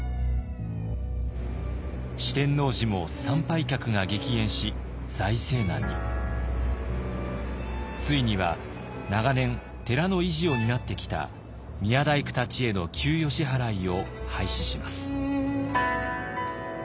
四天王寺もついには長年寺の維持を担ってきた宮大工たちへの給与支払いを廃止します。